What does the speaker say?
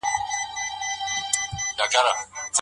ابن قدامه رحمه الله د وليمې په اړه څه ويلي دي؟